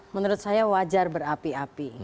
menurut saya wajar berapi api